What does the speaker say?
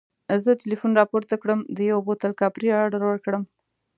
زه ټلیفون راپورته کړم د یوه بوتل کاپري اډر ورکړم.